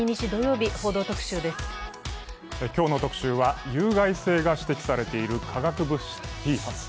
今日の特集は有害性が指摘されている化学物質ＰＦＡＳ。